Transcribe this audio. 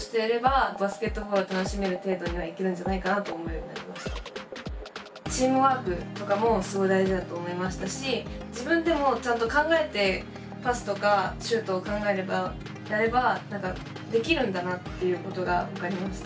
何か動画を見てチームワークとかもすごい大事だと思いましたし自分でもちゃんと考えてパスとかシュートを考えればやればできるんだなっていうことが分かりました。